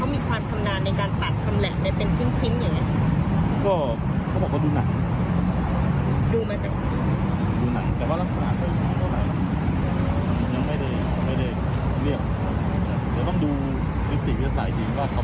มวนเหตุทั้งหมดก็มาจากเรื่องช่วยสาว